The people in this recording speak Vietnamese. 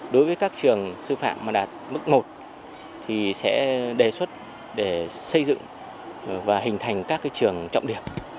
đối với các trường sư phạm mà đạt mức một thì sẽ đề xuất để xây dựng và hình thành các trường trọng điểm